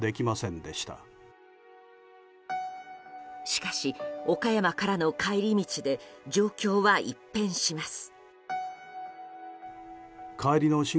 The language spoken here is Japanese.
しかし、岡山からの帰り道で状況は一変します。